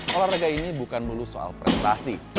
olahraga ini bukan melulu soal prestasi